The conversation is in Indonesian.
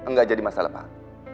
gak jadi masalah pak